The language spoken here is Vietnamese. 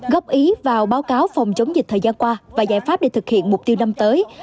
góp ý vào báo cáo phòng chống dịch thời gian qua và giải pháp để thực hiện mục tiêu năm tới